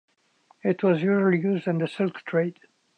It was usually used in the silk trade.